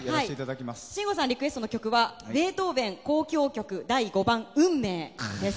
信五さんリクエストの曲はベートーベン「交響曲第５番運命」です。